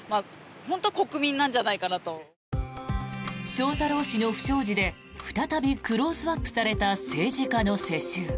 翔太郎氏の不祥事で再びクローズアップされた政治家の世襲。